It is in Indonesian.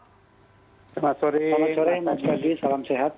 selamat sore selamat pagi salam sehat